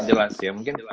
jelas ya mungkin